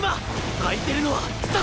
空いてるのはそこ！